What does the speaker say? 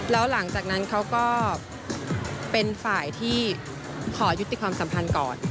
แล้วหลังจากนั้นเขาก็เป็นฝ่ายที่ขอยุติความสัมพันธ์ก่อน